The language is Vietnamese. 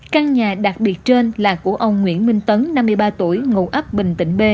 căn nhà đặc biệt trên là của ông nguyễn minh tấn năm mươi ba tuổi ngụ ấp bình tịnh b